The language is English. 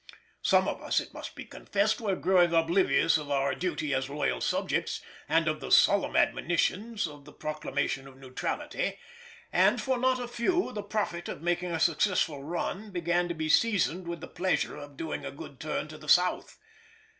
Some of us, it must be confessed, were growing oblivious of our duty as loyal subjects and of the solemn admonitions of the proclamation of neutrality, and for not a few the profit of making a successful run began to be seasoned with the pleasure of doing a good turn to the South.